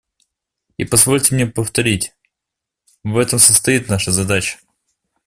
И позвольте мне повторить: в этом состоит наша задача.